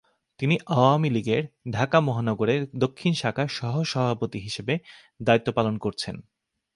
তিনি আওয়ামী লীগের ঢাকা মহানগরের দক্ষিণ শাখার সহসভাপতি হিসেবে দায়িত্ব পালন করছেন।